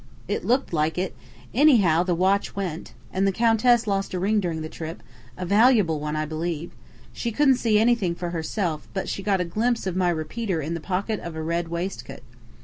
"It looked like it. Anyhow, the watch went. And the Countess lost a ring during the trip a valuable one, I believe. She couldn't 'see' anything for herself, but she got a glimpse of my repeater in the pocket of a red waistcoat.